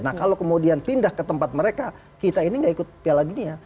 nah kalau kemudian pindah ke tempat mereka kita ini gak ikut piala dunia